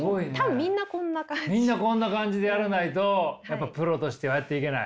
みんなこんな感じでやらないとやっぱプロとしてはやっていけない？